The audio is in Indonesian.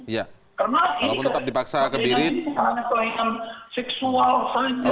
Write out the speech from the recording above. karena ini pertanyaan ini bukanlah pertanyaan seksual saja